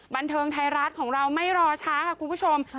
บันเทิงไทยรัฐของเราไม่รอช้าค่ะคุณผู้ชม